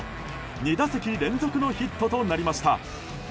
２打席連続のヒットとなりました。